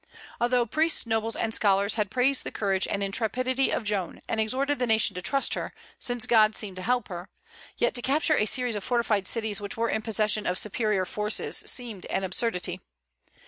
Although priests, nobles, and scholars had praised the courage and intrepidity of Joan, and exhorted the nation to trust her, since God seemed to help her, yet to capture a series of fortified cities which were in possession of superior forces seemed an absurdity.